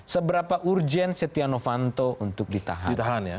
seberapa urgen setiano panto untuk ditahan